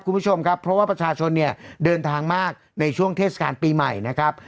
คุณผู้ชมครับเพราะว่าประชาชนเนี่ยเดินทางมากในช่วงเทศกาลปีใหม่นะครับ